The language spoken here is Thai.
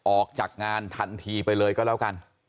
ออกจากงานทันทีไปเลยก็แล้วกัน